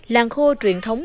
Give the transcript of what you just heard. làng khô truyền thống